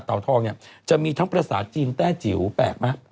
จะมีทั้งภาษาจีนแต้จิ๋วแปลกมากจะมีทั้งภาษาจีนแต้จิ๋วแปลกมาก